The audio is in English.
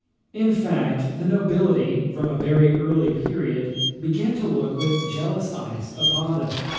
In fact, the nobility, from a very early period, began to look with jealous eyes upon them.